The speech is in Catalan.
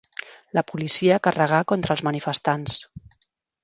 La policia carregà contra els manifestants.